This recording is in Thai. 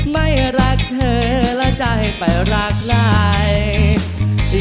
ไม่รักเธอแล้วจะให้ไปรักไหน